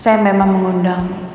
saya memang mengundang